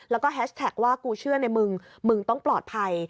แล้วก็แฮชแท็กว่ากูเชื่อในมึงมึงต้องปลอดภัย